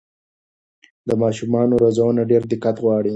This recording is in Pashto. د ماشومانو روزنه ډېر دقت غواړي.